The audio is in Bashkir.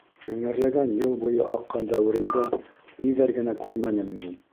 Меңәрләгән йыл буйы аҡҡан дәүеремдә ниҙәр генә күрмәнем мин.